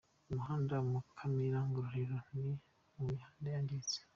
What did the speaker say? Umuhanda Mukamira - Ngororero uri mu mihanda yangiritse.